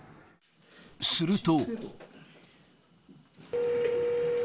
すると。